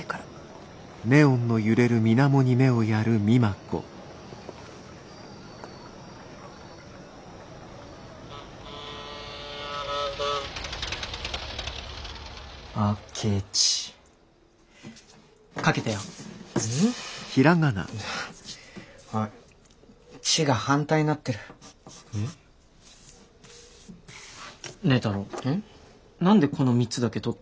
何でこの３つだけ取ってるの？